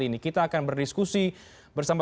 ini kita akan berdiskusi bersama